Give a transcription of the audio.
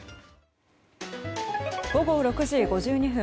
午後６時５２分。